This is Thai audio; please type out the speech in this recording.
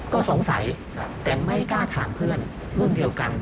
ก็สงสัยแต่ไม่กล้าถามเพื่อนรุ่นเดียวกัน